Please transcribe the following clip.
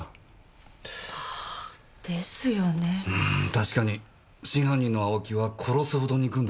確かに真犯人の青木は殺すほど憎んだのに。